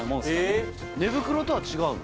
寝袋とは違うの？